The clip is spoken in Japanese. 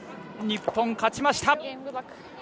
日本、勝ちました！